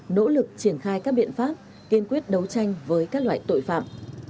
nỗ lực triển khai các biện pháp kiên quyết đấu tranh với các loại tội phạm